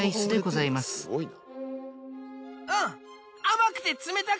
すごいな。